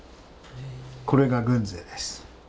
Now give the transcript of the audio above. これが郡是です。